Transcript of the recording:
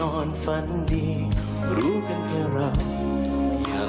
โอ้โหขอบคุณครับ